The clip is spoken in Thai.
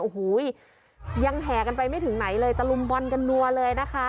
โอ้โหยังแห่กันไปไม่ถึงไหนเลยตะลุมบอลกันนัวเลยนะคะ